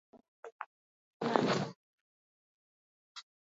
Ornitologo baten ikuspuntutik, ez da edonolako kontu bat.